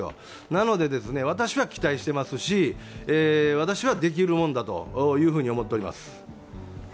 なので、私は期待してますし私はできるものだと思っております。